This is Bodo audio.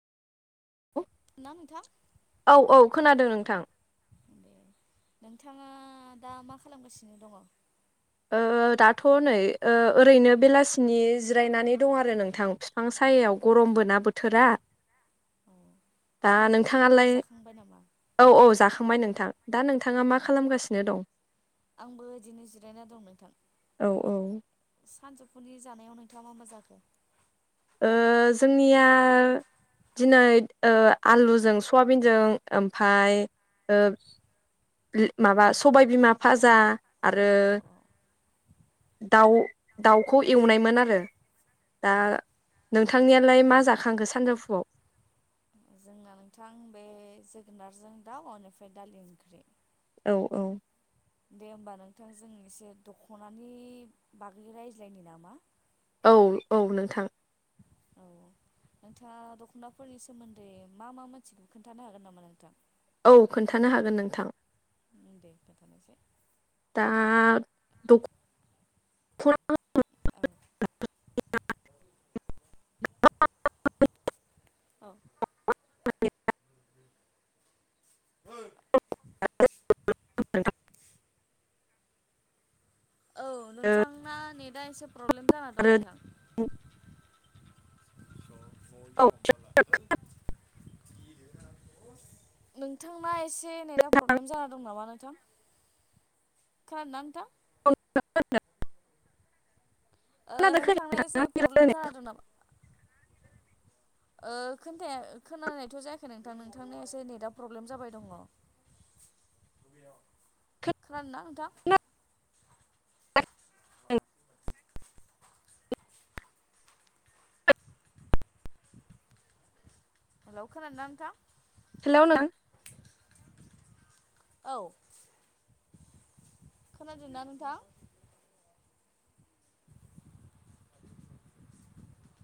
ना नोंथां औ औ खोनादों नोंथां दे नोंथाङा दा मा खालामगासिनो दङ? ओ दाथ' नै ओ-ओरैनो बेलासिनि जिरायनानै दं आरो नोंथां फिफां सायायाव गरमबो ना बोथोरा औ दा सानजौफुनि नोंथाङालाय जाखांबाय नामा औ औ जाखांबाय नोंथां दा नोंथाङा मा औ खालामगासिनो दं? दङ नोंथां औ औ सानजुफु फुनि जानायाव नोंथाङा मा मा जाखो? ओ जोंनिया दिनै ओ आलुजों सयाबिनजों ओमफाय ओ माबा ओं सबायबिमा फाजा आरो औ दाउ दाउखौ एवनायमोन आरो दा औ नोंथांनियालाय मा जाखांखो सानजौफुआव? जोंना नोंथां बे जोगोनारजों दाउ बेनिफ्राय दालि ओंख्रि। औ औ दे होमबा नोंथां जों एसे दख'नानि बागै रायज्लायनो नामा? औ औ नोंथां औ नोंथाङा दख'नाफोरनि सोमोन्दै मा मा मोनथिगो खोन्थानो हागोन नामा नोंथां? औ खोन्थानो हागोन नोंथां। दे खोन्थानोसै दा द [unintelligible] औ [unintelligible] औ [inaudible] [unintelligible] औ नोंथांना नेटआ एसे प्रब्लेम जाना दं आरो नोंथां [unintelligible] नोंथांना एसे नेटा प्रब्लेम जाना दं नामा नोंथां खोनादोना नोंथां? [inaudible] ओ खोनादों नोंथांना एसे प्रब्लेम खोनायाखै? जाना दं नामा ओ खोन्थाया खोनानायथ' जायाखै नोंथां नोंथांनि एसे नेटआ प्रब्लेम जाबाय दङ खोनादोंना नोंथां हेलौ खोनादोना नोंथां? हेलौ [unintelligible] औ। खोनादों ना नोंथां?